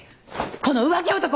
この浮気男！